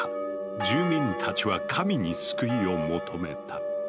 住民たちは神に救いを求めた。